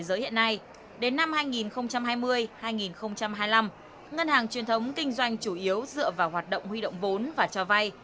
đến năm hai nghìn hai mươi hai nghìn hai mươi năm ngân hàng truyền thống kinh doanh chủ yếu dựa vào hoạt động huy động vốn và cho vay